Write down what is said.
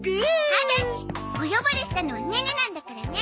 ただし！お呼ばれしたのはネネなんだからね！